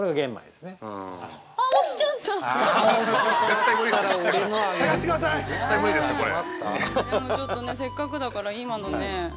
でも、ちょっとねせっかくだから、今のね。